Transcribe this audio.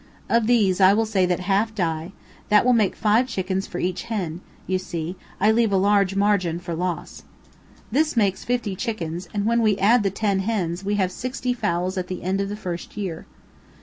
Of these, I will say that half die, that will make five chickens for each hen; you see, I leave a large margin for loss. This makes fifty chickens, and when we add the ten hens, we have sixty fowls at the end of the first year.